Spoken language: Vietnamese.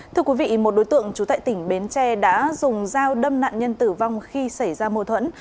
thưa quý vị một đối tượng trú tại tỉnh bến tre đã dùng dao đâm nạn nhân tử vong khi xảy ra mâu thuẫn